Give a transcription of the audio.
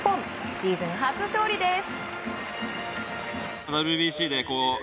シーズン初勝利です。